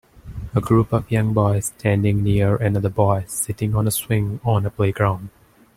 a group of young boys standing near another boy sitting on a swing on a playground.